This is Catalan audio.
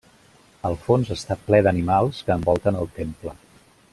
El fons està ple d'animals que envolten el temple.